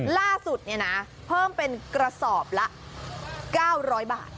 ล่าสุดเพิ่มเป็นกระสอบละ๙๐๐บาท